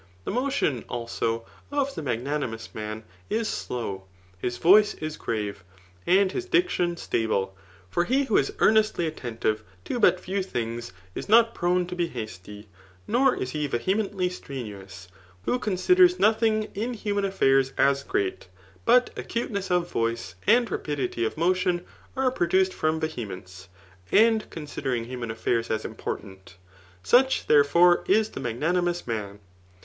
The motion, also, of the magnsiti mous man b slow, his voice is grave, and his dictioa stable* For he who is earnestly attentive to but few things is not prone to be hasty ; nor is he vehemently stremious, who condders nothing |jm human afl^rs3 as great. But acuteness of voice, and rapidity of moti^m, are produced from vehemence, and considering human affairs as important. Such, therefore, is the magnani mous man.